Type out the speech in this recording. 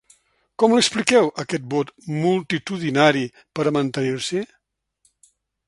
Com l’expliqueu, aquest vot multitudinari per a mantenir-s’hi?